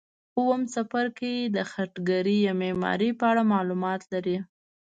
اووم څپرکی د خټګرۍ یا معمارۍ په اړه معلومات لري.